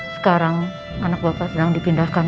sekarang anak bapak sedang dipindahkan